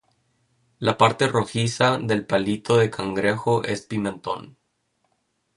La parte rojiza del palito de cangrejo es pimentón.